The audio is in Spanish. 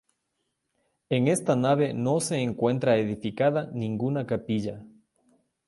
En esta nave no se encuentra edificada ninguna capilla.